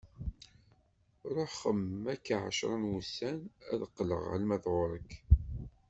Ruḥ xemmem, akka ɛecra n wussan ad d-qqleɣ alma d ɣur-k.